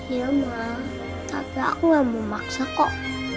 ya ma tapi aku nggak mau maksa kok